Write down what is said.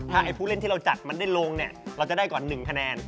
ถ้าผู้เล่นที่เราจัดมันได้ลงเนี่ยเราจะได้ก่อน๑คะแนน